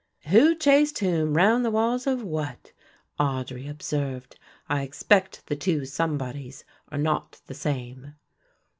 "'Who chased whom round the walls of what?'" Audry observed. "I expect the two somebodies are not the same."